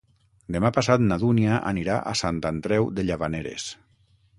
Demà passat na Dúnia anirà a Sant Andreu de Llavaneres.